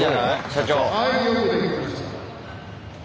社長。